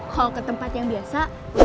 kalo ketempat yang biasa udah bosan